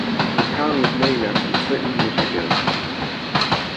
The town was named after Clinton, Michigan.